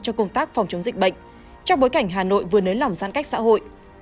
cho công tác phòng chống dịch bệnh trong bối cảnh hà nội vừa nới lỏng giãn cách xã hội